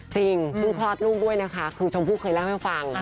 จริงลูกพลาดลูกด้วยนะคะคือชมพุกเคยเล่าให้ฟัง